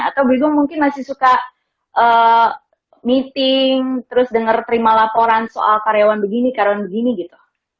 atau brigo mungkin masih suka meeting terus dengar terima laporan soal karyawan begini karyawan begini gitu